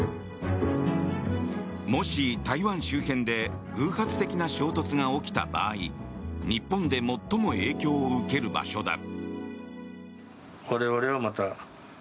もし、台湾周辺で偶発的な衝突が起きた場合日本で最も影響を受ける場所だ。